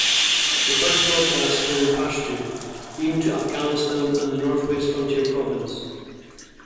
The first broadcasts were in Pushto, beamed to Afghanistan and the North-West Frontier Province.